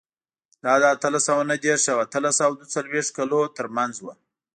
دا د اتلس سوه نهه دېرش او اتلس سوه دوه څلوېښت کلونو ترمنځ و.